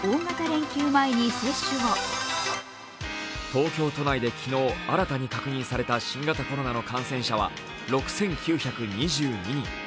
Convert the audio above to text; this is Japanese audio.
東京都内で昨日新たに確認された新型コロナの感染者は６９２２人。